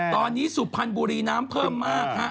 ตอนนี้สุพรรณบุรีน้ำเพิ่มมากฮะ